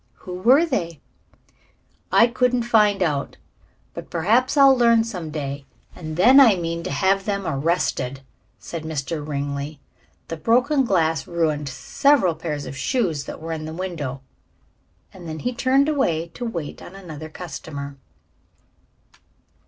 "Who were they?" "I couldn't find out. But perhaps I'll learn some day, and then I mean to have them arrested," said Mr. Ringley. "The broken glass ruined several pairs of shoes that were in the window." And then he turned away to wait on another customer.